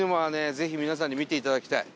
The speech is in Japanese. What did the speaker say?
ぜひ皆さんに見ていただきたい。